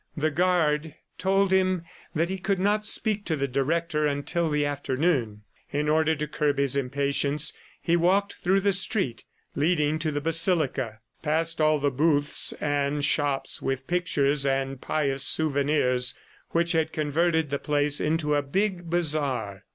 The guard told him that he could not speak to the Director until the afternoon. In order to curb his impatience he walked through the street leading to the basilica, past all the booths and shops with pictures and pious souvenirs which have converted the place into a big bazaar.